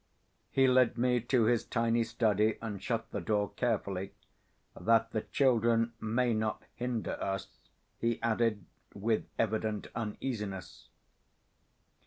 He led me to his tiny study and shut the door carefully, "that the children may not hinder us," he added with evident uneasiness.